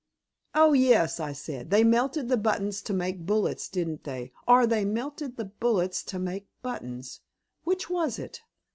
"Oh, yes," I said. "They melted the buttons to make bullets, didn't they? Or they melted bullets to make buttons? Which was it?"